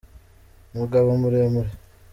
umugabo muremure